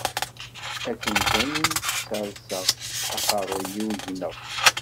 Akken kan serseɣ aqerruy-iw gneɣ.